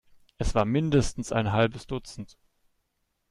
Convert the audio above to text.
Es war mindestens ein halbes Dutzend.